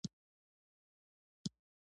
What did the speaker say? باران د افغانستان د ځمکې د جوړښت نښه ده.